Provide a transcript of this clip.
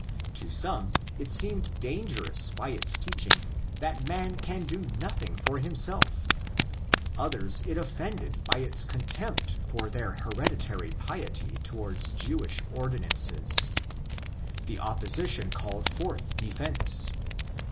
To some it seemed dangerous by its teaching that man can do nothing for himself; others it offended by its contempt for their hereditary piety towards Jewish ordinances. The opposition called forth defence.